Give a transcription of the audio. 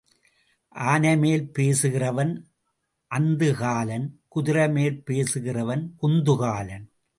ஆனைமேல் போகிறவன் அந்து காலன் குதிரை மேல் போகிறவன் குந்து காலன்.